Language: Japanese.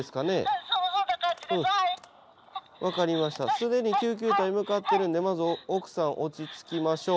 既に救急隊向かってるんでまず奥さん落ち着きましょう。